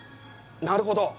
なるほど。